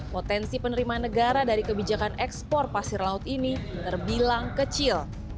potensi penerimaan negara dari kebijakan ekspor pasir laut ini terbilang kecil